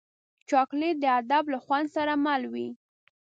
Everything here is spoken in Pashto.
چاکلېټ د ادب له خوند سره مل وي.